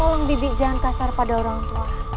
tolong bibit jangan kasar pada orang tua